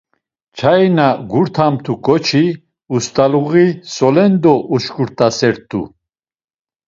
Çayi na gurtamt̆u ǩoçi, ust̆aluği solendo uşǩurt̆sert̆u.